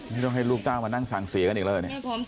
ไม่ต้องให้ลูกตาวมานั่งสั่งเสียกันอีกแล้ว